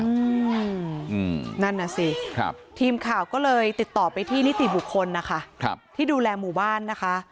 อืมนั่นน่ะสิครับทีมข่าวก็เลยติดต่อไปที่นิติบุคคลนะคะครับที่ดูแลหมู่บ้านนะคะ